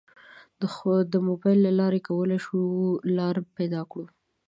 د موبایل له لارې کولی شو لار پیدا کړو.